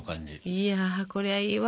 いやこれはいいわ。